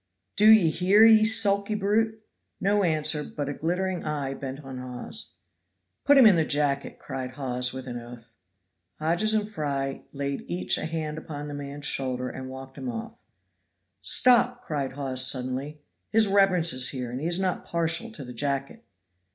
"Do you hear, ye sulky brute?" No answer, but a glittering eye bent on Hawes. "Put him in the jacket," cried Hawes with an oath. Hodges and Fry laid each a hand upon the man's shoulder and walked him off. "Stop!" cried Hawes suddenly; "his reverence is here, and he is not partial to the jacket."